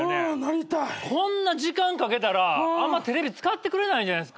こんな時間かけたらあんまテレビ使ってくれないんじゃないすか？